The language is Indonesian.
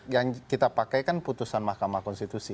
yang kita pakai kan putusan mk